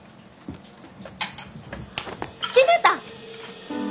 決めた！